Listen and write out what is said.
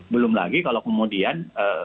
belum lagi kalau kemudian